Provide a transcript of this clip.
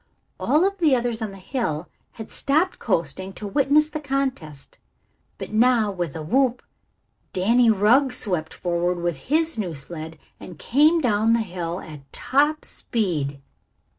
All of the others on the hill had stopped coasting to witness the contest, but now with a whoop Danny Rugg swept forward with his new sled and came down the hill at top speed.